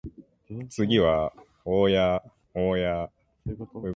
次は保谷保谷